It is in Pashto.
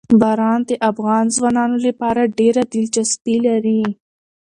باران د افغان ځوانانو لپاره ډېره دلچسپي لري.